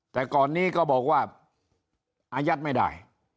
แต่ก่อนนี้ก็บอกว่าอายัดไม่ได้